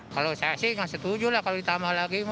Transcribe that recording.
kalau saya sih nggak setuju lah kalau ditambah lagi